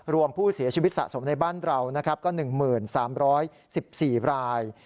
รวมผู้เสียชีวิตสะสมในบ้านเรานะครับก็๑๓๑๔ราย